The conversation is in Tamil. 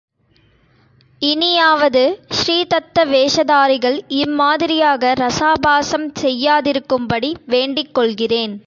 இனியாவது ஸ்ரீதத்த வேஷதாரிகள் இம்மாதிரியாக ரசாபாசம் செய்யாதிருக்கும்படி வேண்டிக் கொள்கிறேன்.